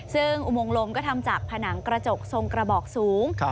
ซึ่งอุโมงลมก็ทำจากผนังกระจกทรงกระบอกสูง